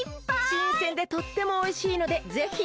しんせんでとってもおいしいのでぜひ。